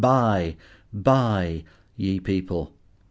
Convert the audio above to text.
Buy! Buy! ye people.